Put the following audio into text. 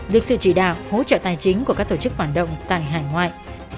được sự chỉ đạo hỗ trợ tài chính của các tổ chức phản động tại hành hoại